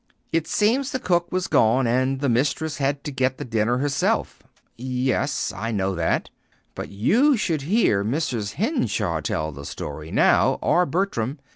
It seems the cook was gone, and the mistress had to get the dinner herself." "Yes, I know that." "But you should hear Mrs. Henshaw tell the story now, or Bertram.